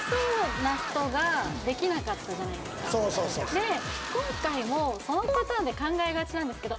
そうそうそうで今回もそのパターンで考えがちなんですけど